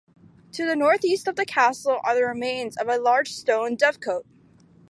To the north-east of the Castle are the remains of a large stone dovecote.